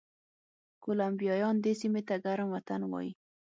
کولمبیایان دې سیمې ته ګرم وطن وایي.